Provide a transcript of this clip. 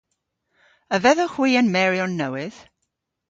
A vedhowgh hwi an meryon nowydh?